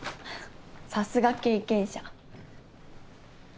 さすが経験者。